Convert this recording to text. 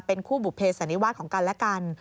เป็นคู่บุเภสันนิวาสของกันและกัน